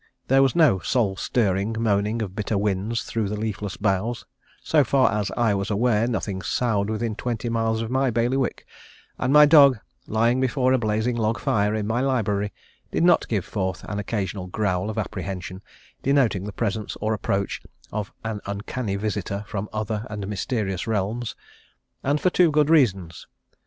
There was no soul stirring moaning of bitter winds through the leafless boughs; so far as I was aware nothing soughed within twenty miles of my bailiwick; and my dog, lying before a blazing log fire in my library, did not give forth an occasional growl of apprehension, denoting the presence or approach of an uncanny visitor from other and mysterious realms: and for two good reasons.